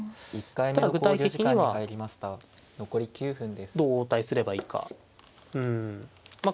ただ具体的にはどう応対すればいいかうんまあ